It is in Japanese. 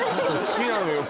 好きなのよ